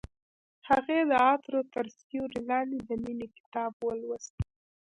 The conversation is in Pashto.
هغې د عطر تر سیوري لاندې د مینې کتاب ولوست.